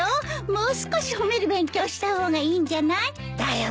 もう少し褒める勉強をした方がいいんじゃない？だよね。